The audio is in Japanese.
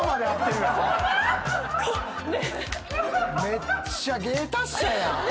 めっちゃ芸達者やん。